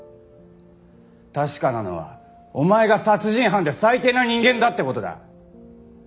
確かなのはお前が殺人犯で最低な人間だって事だ。